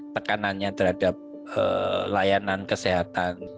tekanannya terhadap layanan kesehatan